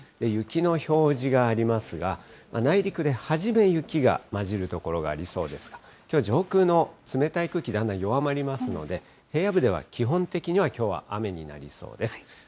雪の表示がありますが、内陸で初め雪がまじる所がありそうですが、きょう、上空の冷たい空気、だんだん弱まりますので、平野部では基本的にはきょうは雨になりそうです。